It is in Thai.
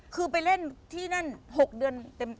คือไปเล่นที่นั่น๖เดือนเต็ม